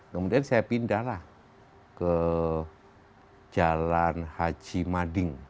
kemudian saya pindahlah ke jalan haji mading